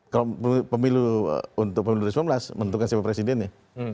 kalau pemilu untuk pemilu dua ribu sembilan belas menentukan siapa presidennya